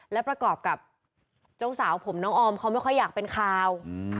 และประกอบกับเจ้าสาวผมน้องออมเขาไม่ค่อยอยากเป็นข่าว